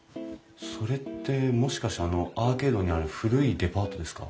それってもしかしてアーケードにある古いデパートですか？